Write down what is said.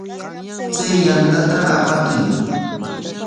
Chay yantata apakuy.